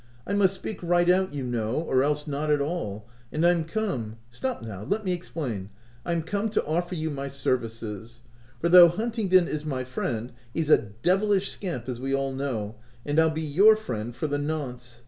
I must speak right out you know, or else not at all; — and I'm come — stop now ! let me explain — I'm come to offer you my services, for though Huntingdon is my friend, he's a devilish scamp as we all know, and I'll be your friend for the nonce.